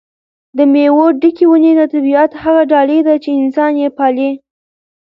د مېوو ډکې ونې د طبیعت هغه ډالۍ ده چې انسان یې پالي.